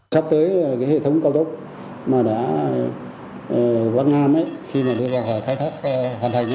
sắp tới hệ thống cao đốc mà đã văn am khi mà đưa vào khai thác hoàn thành